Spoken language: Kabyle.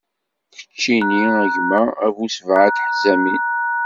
Keččini a gma, a bu sebɛa teḥzamin.